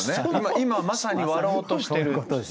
今まさに割ろうとしてる。